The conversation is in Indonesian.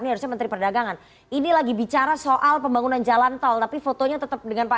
parlomen terpadagangan ini lagi bicara soal pembangunan jalantal tapi fotonya tetap dengan pak